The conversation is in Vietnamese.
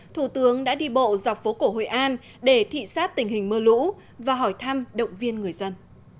thủ tướng đã đi bộ dọc phố cổ hội an để thị xác tình hình mưa lũ và hỏi thăm động viên người dân